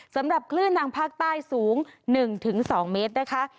สำหรับคลื่นทางภาคใต้สูง๑๒เมตรนะคะ